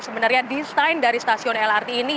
sebenarnya desain dari stasiun lrt ini